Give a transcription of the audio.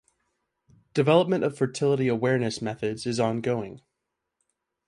Development of fertility awareness methods is ongoing.